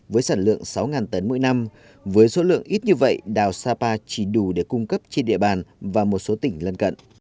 với sản lượng sáu tấn mỗi năm với số lượng ít như vậy đào sapa chỉ đủ để cung cấp trên địa bàn và một số tỉnh lân cận